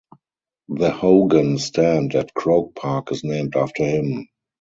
The Hogan stand at Croke Park is named after him.